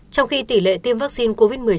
trong khi tỷ lệ tiêm vaccine covid một mươi chín